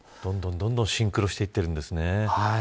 どんどんシンクロしていってるんですね。